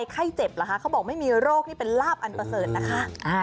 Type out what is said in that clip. เขาบอกไม่มีโรคนี่เป็นลาบอันประเสริฐนะคะ